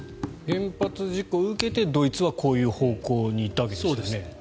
原発事故を受けてドイツはこういう方向に行ったわけですよね。